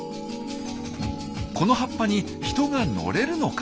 この葉っぱに人が乗れるのか？